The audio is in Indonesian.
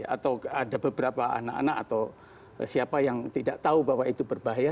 atau ada beberapa anak anak atau siapa yang tidak tahu bahwa itu berbahaya